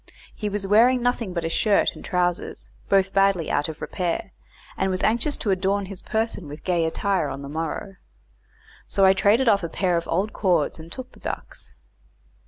He was wearing nothing but a shirt and trousers, both badly out of repair, and was anxious to adorn his person with gay attire on the morrow. So I traded off a pair of old cords and took the ducks.